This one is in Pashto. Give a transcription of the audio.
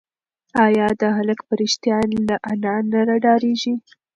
ایا دا هلک په رښتیا له انا نه ډارېږي؟